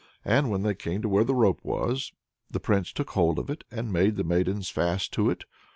And when they came to where the rope was, the Prince took hold of it and made the maidens fast to it.